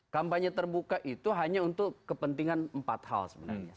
kampanye terbuka itu hanya untuk kepentingan empat hal sebenarnya